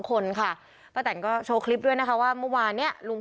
ผลมันก็ตอบรับมาแบบนี้นะลุง